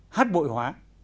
hát bội hóa